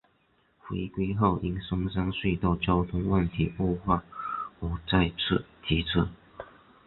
回归后因松山隧道交通问题恶化而再次提出。